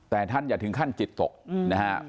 แต่ท่านอย่าถึงขั้นจิตตกนะครับ